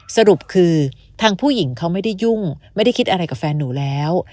สรุปคือทางผู้หญิงเขาไม่ได้ยุ่งไม่ได้คิดอะไรกับแฟนหนูแล้ว